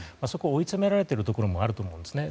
追い詰められているところもあると思うんですね。